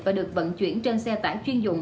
và được vận chuyển trên xe tải chuyên dụng